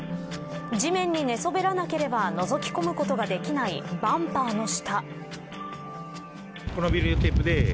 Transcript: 地面に寝そべらなければのぞき込むことができないバンパーの下。